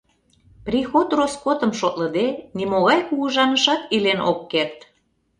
Приход-роскотым шотлыде, нимогай кугыжанышат илен ок керт.